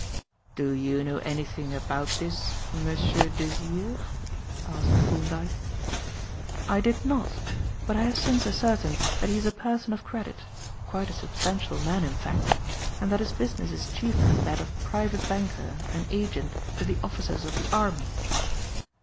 "Do you know anything about this M. Desire?" asked Thorndyke. "I did not, but I have since ascertained that he is a person of credit quite a substantial man in fact and that his business is chiefly that of private banker and agent to the officers of the army.